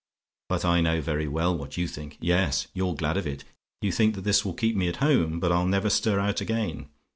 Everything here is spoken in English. But I know very well what you think. Yes; you're glad of it. You think that this will keep me at home but I'll never stir out again.